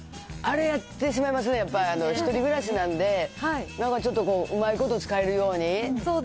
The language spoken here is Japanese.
あれいってしまいますね、やっぱり１人暮らしなんで、なんかちょっと、こう、うまいこと使えるように。